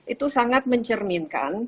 itu sangat mencerminkan